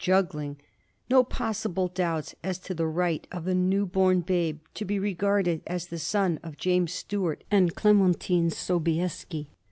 t juggling, no possible doubts as to the right of the new born babe to be regarded as the son of James Stuart and of Clementine Sobieski.